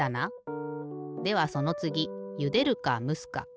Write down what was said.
ではそのつぎゆでるかむすか。